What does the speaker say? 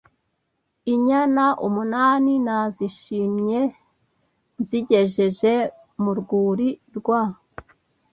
Inyana umunani nazishimye nzigejeje mu rwuri rwau